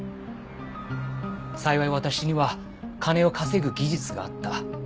幸い私には金を稼ぐ技術があった。